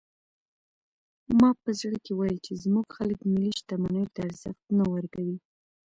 ما په زړه کې ویل چې زموږ خلک ملي شتمنیو ته ارزښت نه ورکوي.